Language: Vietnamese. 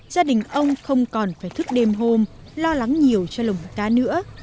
gia đình ông không còn phải thức đêm hôm lo lắng nhiều cho lồng cá nữa